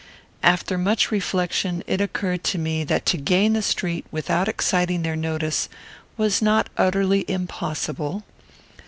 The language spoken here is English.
After much reflection, it occurred to me that to gain the street without exciting their notice was not utterly impossible.